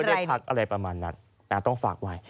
ได้พักอะไรประมาณนั้นต้องฝากไว้